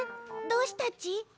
どうしたち？